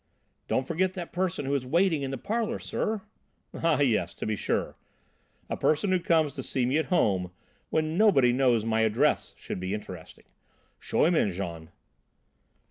"Don't forget the person who is waiting in the parlour, sir." "Ah, yes, to be sure. A person who comes to see me at home, when nobody knows my address should be interesting. Show him in, Jean."